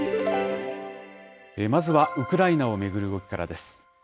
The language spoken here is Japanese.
まずはウクライナを巡る動きからです。